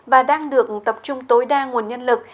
và đang được tập trung tối đa nguồn nhân lực